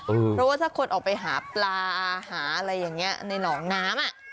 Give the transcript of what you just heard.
เพราะว่าถ้าคนออกไปหาปลาหาอะไรอย่างนี้ในหนองน้ำ